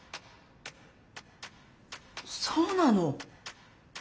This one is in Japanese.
そうなの。